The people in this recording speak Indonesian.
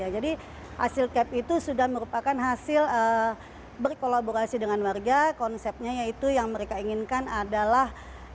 jadi hasil cap itu sudah merupakan hasil berkolaborasi dengan warga konsepnya yaitu yang mereka inginkan adalah